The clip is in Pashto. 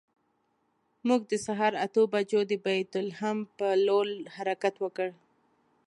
موږ د سهار اتو بجو د بیت لحم پر لور حرکت وکړ.